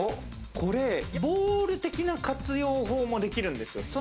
これ、ボウル的な活用法もできるんですよ。